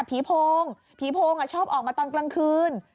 ผีโพงผีโพงชอบออกมาตอนกลางคืน